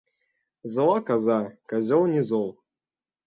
Зла коза, козёл не зол!